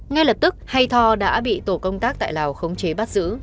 ngay lập tức hay tho đã bị tổ công tác tại lào khống chế bắt giữ